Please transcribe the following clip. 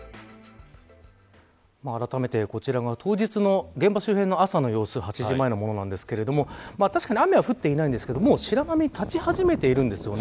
あらためて、こちらが当日の現場周辺の朝の様子８時前のものなんですが確かに雨は降っていないんですが白波が立ち始めています。